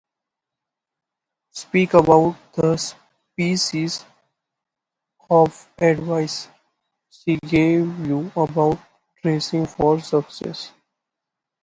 Speak about the pieces of advice she gave you about dressing for success.